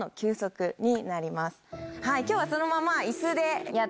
今日はそのまま。